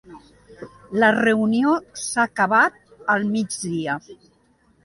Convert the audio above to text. La reunió s'ha acabat al migdia